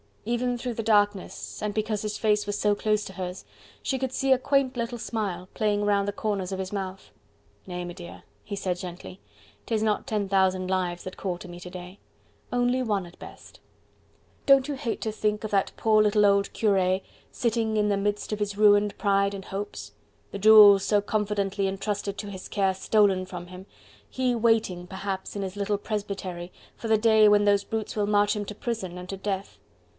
Even through the darkness, and because his face was so close to hers, she could see a quaint little smile playing round the corners of his mouth. "Nay, m'dear," he said gently, "'tis not ten thousand lives that call to me to day... only one at best.... Don't you hate to think of that poor little old cure sitting in the midst of his ruined pride and hopes: the jewels so confidently entrusted to his care, stolen from him, he waiting, perhaps, in his little presbytery for the day when those brutes will march him to prison and to death....